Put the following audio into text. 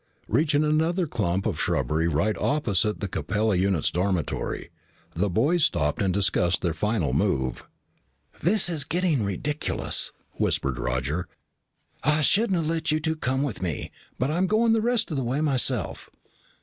Reaching another clump of shrubbery right opposite the Capella unit's dormitory, the boys stopped and discussed their final move. "This is getting ridiculous," whispered Roger. "I shouldn't have let you two come with me. But I'm going the rest of the way myself."